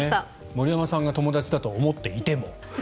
森山さんが友達だと思っていても。